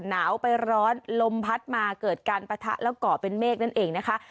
หนาวไปร้อนลมพัดมาเกิดการปะทะแล้วก่อเป็นเมฆนั่นเองนะคะ